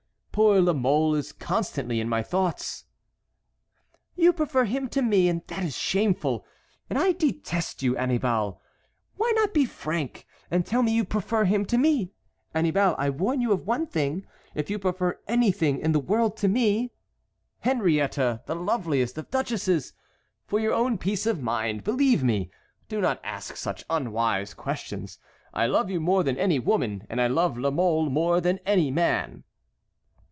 Poor La Mole is constantly in my thoughts." "You prefer him to me; that is shameful! and I detest you, Annibal! Why not be frank, and tell me you prefer him to me? Annibal, I warn you of one thing: if you prefer anything in the world to me"— "Henriette, the loveliest of duchesses! For your own peace of mind, believe me, do not ask such unwise questions. I love you more than any woman, and I love La Mole more than any man."